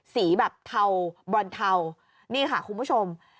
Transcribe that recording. สีแบบเทาบรอนเทานี่ค่ะคุณผู้ชม